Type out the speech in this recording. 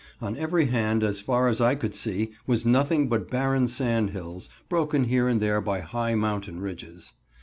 On every hand, as far as I could see, was nothing but barren sand hills, broken here and there by high mountain ridges.